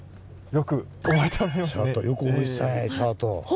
よく覚えてたねチャート。